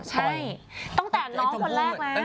ใช่ตั้งแต่น้องคนแรกแล้ว